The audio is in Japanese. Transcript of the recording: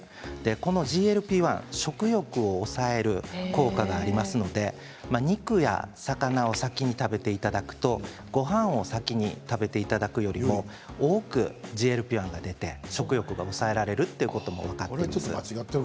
このＧＬＰ−１食欲を抑える効果がありますので肉や魚を先に食べていただくとごはんを先に食べていただくよりも多くＧＬＰ−１が出て食欲が抑えられるということも分かってきています。